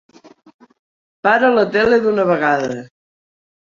Para la tele d'una vegada!